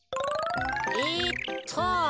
えっと。